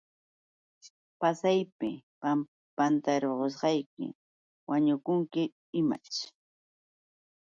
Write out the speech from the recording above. Pasaypaq pantarusayki, ¿wañukunki imaćh?